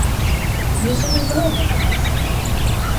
Yüzünü görmedim.